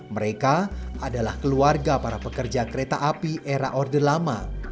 mereka adalah keluarga para pekerja kereta api era orde lama